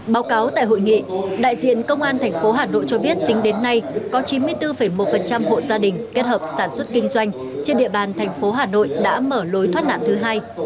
báo cáo tại hội nghị đại diện công an tp hà nội cho biết tính đến nay có chín mươi bốn một hộ gia đình kết hợp sản xuất kinh doanh trên địa bàn thành phố hà nội đã mở lối thoát nạn thứ hai